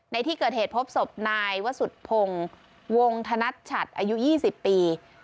ในที่เกิดเหตุพบศพนายวสุดพงศ์วงธนัชชัดอายุ๒๐ปี